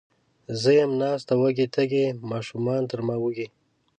زه یم ناسته وږې، تږې، ماشومانې تر ما وږي